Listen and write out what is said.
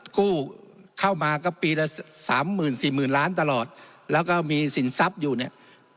กู้เข้ามาก็ปีละ๓๐๔๐ล้านตลอดแล้วก็มีสินทรัพย์อยู่เนี่ย